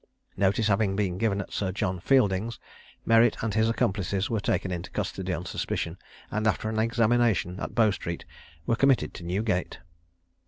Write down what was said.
Notice having been given at Sir John Fielding's, Merritt and his accomplices were taken into custody on suspicion, and after an examination at Bow street were committed to Newgate.